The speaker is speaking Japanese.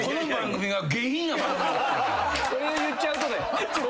それを言っちゃうとだよ。